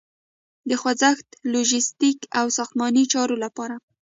د خوځښت، لوژستیک او ساختماني چارو لپاره